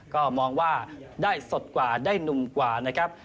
ก็มองว่าได้สดกว่าได้หนุ่มกว่านะครับ